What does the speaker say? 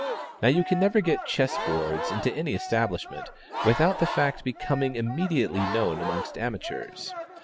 Now you can never get chess boards into any establishment, without the fact becoming immediately known amongst amateurs.